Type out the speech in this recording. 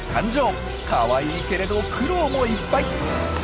かわいいけれど苦労もいっぱい。